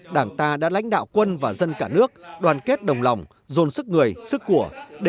đảng ta đã lãnh đạo quân và dân cả nước đoàn kết đồng lòng dồn sức người sức của